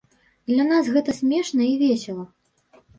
Для нас гэта смешна і весела.